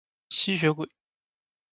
吸血鬼